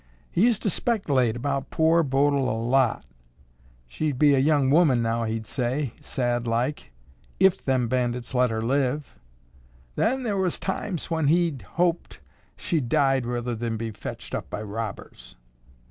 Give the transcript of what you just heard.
He used to spec'late about poor Bodil a lot. She'd be a young woman now, he'd say, sad like, if them bandits let her live. Then thar was times when he'd hope she'd died ruther than be fetched up by robbers.